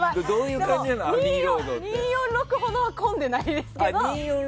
２４６ほどは混んでないですけど。